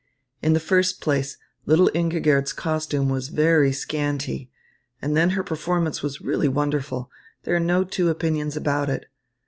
In the first place, little Ingigerd's costume was very scanty, and then her performance was really wonderful. There are no two opinions about it.